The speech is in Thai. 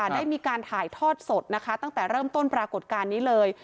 ได้มีการถ่ายทอดสดนะคะตั้งแต่เริ่มต้นปรากฏการณ์นี้เลย